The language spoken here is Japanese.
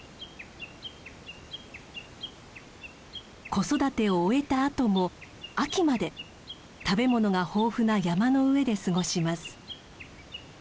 子育てを終えたあとも秋まで食べ物が豊富な山の上で過ごします。